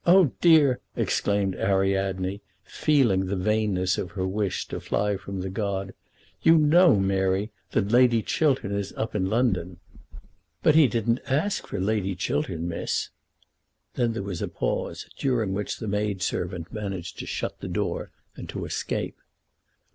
"Oh dear!" exclaimed Ariadne, feeling the vainness of her wish to fly from the god. "You know, Mary, that Lady Chiltern is up in London." "But he didn't ask for Lady Chiltern, Miss." Then there was a pause, during which the maid servant managed to shut the door and to escape.